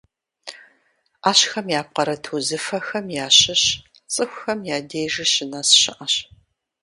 Ӏэщхэм япкъырыт узыфэхэм ящыщ цӀыхухэм я дежи щынэс щыӏэщ.